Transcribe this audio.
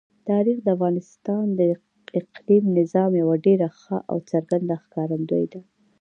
تاریخ د افغانستان د اقلیمي نظام یوه ډېره ښه او څرګنده ښکارندوی ده.